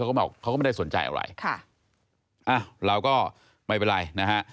เขาบอกเขาก็ไม่ได้สนใจอะไรค่ะอ้าวเราก็ไม่เป็นไรนะฮะ